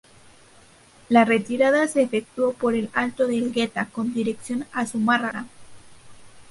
La retirada se efectuó por el alto de Elgueta con dirección a Zumárraga.